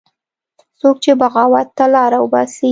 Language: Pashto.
څوک چې بغاوت ته لاره وباسي